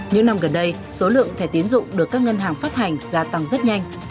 những năm gần đây số lượng thẻ tiến dụng được các ngân hàng phát hành gia tăng rất nhanh